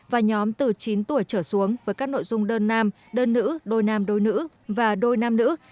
và nhóm từ chín tuổi trở xuống với các nội dung đơn nam đơn nữ đôi nam đôi nữ và đôi nam nữ